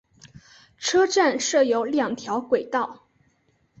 车站设有两条轨道。